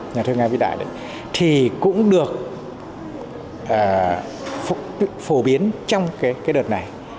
nhà thơ nga vĩ đại đấy thì cũng được phổ biến trong cái đợt này